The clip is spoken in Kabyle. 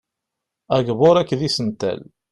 Agbur akked isental.